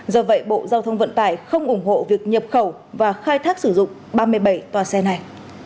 do vậy bộ giao thông vận tải không ủng hộ việc nhập khẩu và khai thác sử dụng ba mươi bảy tòa xe này